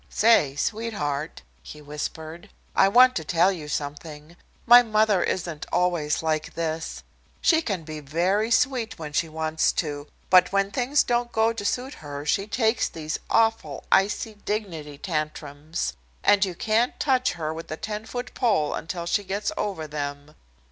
"Say, sweetheart," he whispered, "I want to tell you something. My mother isn't always like this. She can be very sweet when she wants to. But when things don't go to suit her she takes these awful icy 'dignity' tantrums, and you can't touch her with a ten foot pole until she gets over them.